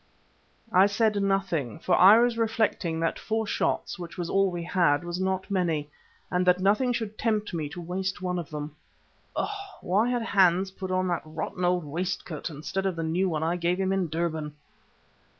I said nothing, for I was reflecting that four shots, which was all we had, was not many, and that nothing should tempt me to waste one of them. Oh! why had Hans put on that rotten old waistcoat instead of the new one I gave him in Durban?